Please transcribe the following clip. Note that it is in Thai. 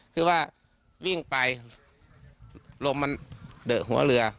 คือว่าวิ่งไปลมมันเดอะหัวเรือ